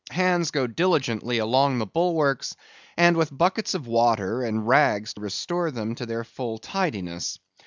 Hands go diligently along the bulwarks, and with buckets of water and rags restore them to their full tidiness.